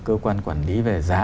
cơ quan quản lý về giá